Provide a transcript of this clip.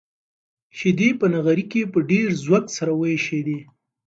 شيدې په نغري کې په ډېر زوږ سره وایشېدې.